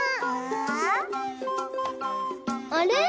あれ？